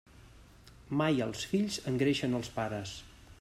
Mai els fills engreixen als pares.